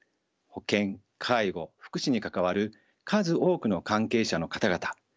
保健介護福祉に関わる数多くの関係者の方々